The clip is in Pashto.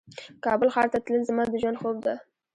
کابل ښار ته تلل زما د ژوند خوب ده